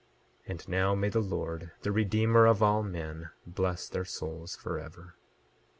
And now may the Lord, the Redeemer of all men, bless their souls forever.